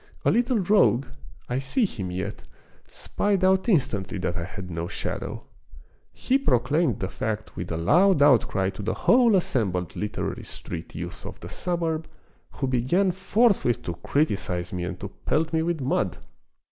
A little rogue, I see him yet, spied out instantly that I had no shadow. He proclaimed the fact with a loud outcry to the whole assembled literary street youth of the suburb, who began forthwith to criticise me and to pelt me with mud.